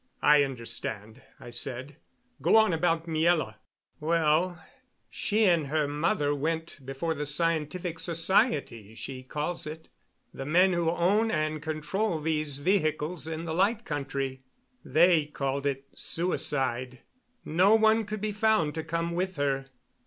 "I understand," I said. "Go on about Miela." "Well, she and her mother went before the Scientific Society, she calls it the men who own and control these vehicles in the Light Country. They called it suicide. No one could be found to come with her.